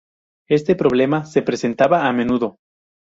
Este problema se presentaba a menudo.